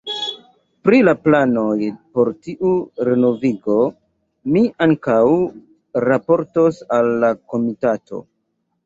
Pri la planoj por tiu renovigo mi ankaŭ raportos al la Komitato.